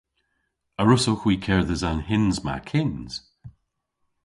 A wrussowgh hwi kerdhes an hyns ma kyns?